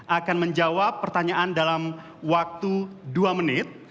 akan menjawab pertanyaan dalam waktu dua menit